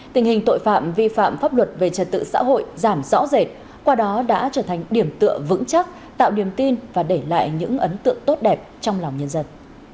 tình hình tội phạm vi phạm pháp luật về trật tự xã hội giảm rõ rệt qua đó đã trở thành điểm tựa vững chắc tạo điểm tin và để lại những ấn tượng tốt đẹp trong lòng nhân dân